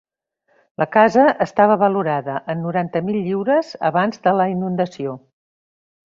La casa estava valorada en noranta mil lliures abans de la inundació.